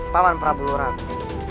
paman prabu lu ragu